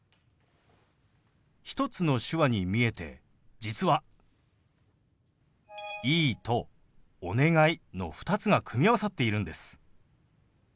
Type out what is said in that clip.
１つの手話に見えて実は「いい」と「お願い」の２つが組み合わさっているんです。